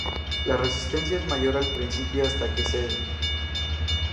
La resistencia es mayor al principio hasta que cede.